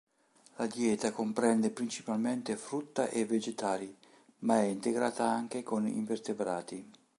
La dieta comprende principalmente frutta e vegetali, ma è integrata anche con invertebrati.